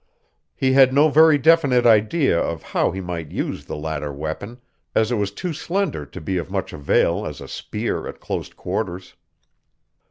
He had no very definite idea of how he might use the latter weapon, as it was too slender to be of much avail as a spear at close quarters.